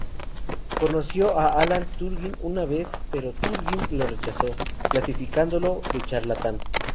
Conoció a Alan Turing una vez, pero Turing lo rechazó, calificándolo de "charlatán".